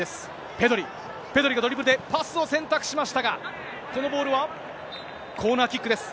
ペドリ、ペドリがドリブルで、パスを選択しましたが、このボールはコーナーキックです。